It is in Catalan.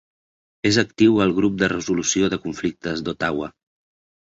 És actiu al Grup de Resolució de Conflictes d'Ottawa.